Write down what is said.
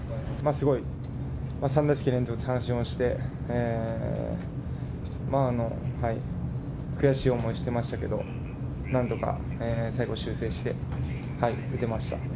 すごい３連続三振をして、悔しい思いしてましたけど、なんとか最後、修正して、打てました。